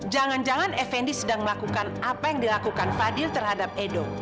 jangan jangan effendi sedang melakukan apa yang dilakukan fadil terhadap edo